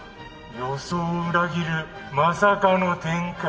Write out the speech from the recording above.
「予想を裏切るまさかの展開」